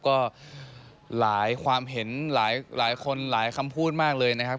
ก็หลายความเห็นหลายคนหลายคำพูดมากเลยนะครับ